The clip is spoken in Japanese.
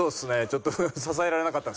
ちょっと。